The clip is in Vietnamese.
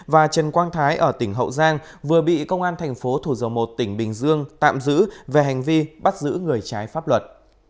và trần quang thái ở tỉnh hậu giang vừa bị công an thành phố thủ dầu một tỉnh bình dương tạm giữ về hành vi bắt giữ người trái pháp luật